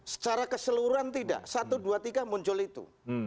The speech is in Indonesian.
secara keseluruhan tidak satu dua tiga muncul itu